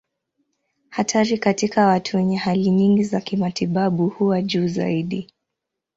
Hatari katika watu wenye hali nyingi za kimatibabu huwa juu zaidi.